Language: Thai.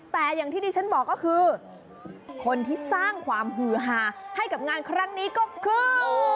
แต่อย่างที่ดิฉันบอกก็คือคนที่สร้างความหือหาให้กับงานครั้งนี้ก็คือ